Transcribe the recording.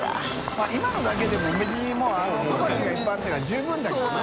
まぁ今のだけでも別にもういっぱいあったから十分だけどね。